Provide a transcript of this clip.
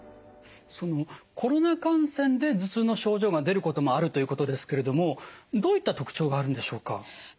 コロナ感染で頭痛の症状が出ることもあるということですけれどもどういった特徴があるんでしょうか？